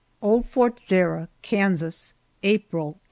OLD FORT ZARAH, KANSAS, April, 1872.